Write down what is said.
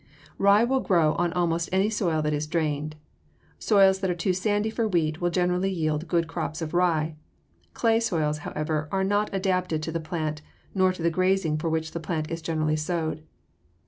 Rye will grow on almost any soil that is drained. Soils that are too sandy for wheat will generally yield good crops of rye. Clay soils, however, are not adapted to the plant nor to the grazing for which the plant is generally sowed.